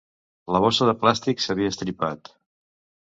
La bossa de plàstic s'havia estripat.